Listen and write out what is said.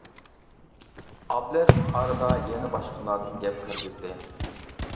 ئابلەت ئارىدا يەنە باشقىلاردىن گەپ كىرگۈزدى.